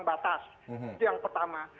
itu yang batas itu yang pertama